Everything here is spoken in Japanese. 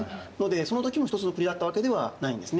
その時も一つの国だったわけではないんですね。